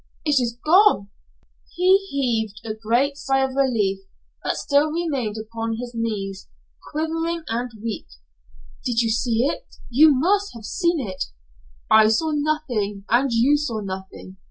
It is gone." He heaved a great sigh of relief, but still remained upon his knees, quivering and weak. "Did you see it? You must have seen it." "I saw nothing, and you saw nothing.